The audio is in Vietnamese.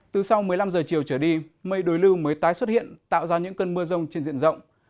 từ sau một mươi năm h chiều trở đi mây đối lưu mới tái xuất hiện tạo ra những cơn mưa rông trên diện rộng